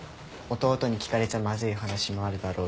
弟に聞かれちゃまずい話もあるだろうし。